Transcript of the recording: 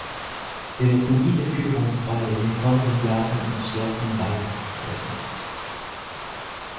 Wir müssen diese Führungsrolle in den kommenden Jahren entschlossen weiter verfolgen.